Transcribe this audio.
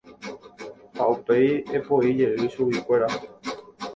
Ha upéi epoijey chuguikuéra.